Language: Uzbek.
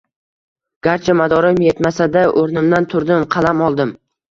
Garchi madorim etmasa-da, o`rnimdan turdim, qalam oldim